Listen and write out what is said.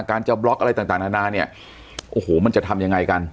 การจะบล็อกอะไรต่างนานาเนี่ยโอ้โหมันจะทำยังไงกัน